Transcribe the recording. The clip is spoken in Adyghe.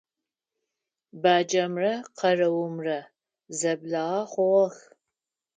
Баджэмрэ къэрэумрэ зэблагъэ хъугъэх.